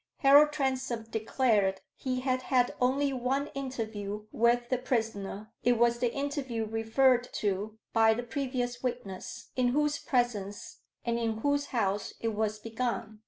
Harold Transome declared he had had only one interview with the prisoner: it was the interview referred to by the previous witness, in whose presence and in whose house it was begun.